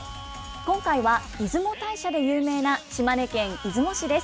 今回は、出雲大社で有名な島根県出雲市です。